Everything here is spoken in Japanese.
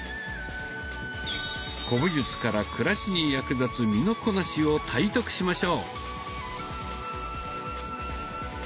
古武術から暮らしに役立つ身のこなしを体得しましょう。